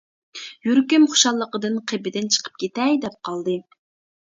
يۈرىكىم خۇشاللىقىدىن قېپىدىن چىقىپ كېتەي دەپ قالدى.